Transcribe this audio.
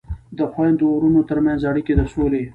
د خویندو ورونو ترمنځ اړیکې د سولې